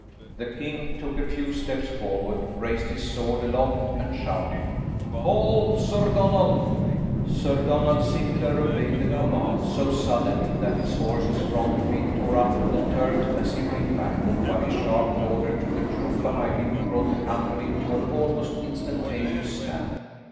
The king took a few steps forward, raised his sword aloft and shouted, "Halt, Sir Donald!" Sir Donald Sinclair obeyed the command so suddenly that his horse's front feet tore up the turf as he reined back, while his sharp order to the troop behind him brought the company to an almost instantaneous stand.